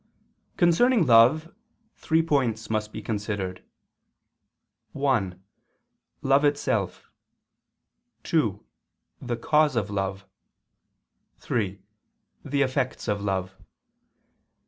Concerning love, three points must be considered: (1) Love itself; (2) The cause of love; (3) The effects of love.